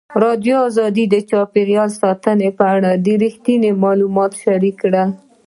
ازادي راډیو د چاپیریال ساتنه په اړه رښتیني معلومات شریک کړي.